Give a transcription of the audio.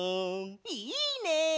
いいね！